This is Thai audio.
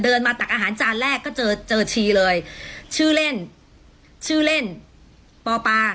มาตักอาหารจานแรกก็เจอเจอชีเลยชื่อเล่นชื่อเล่นปอปา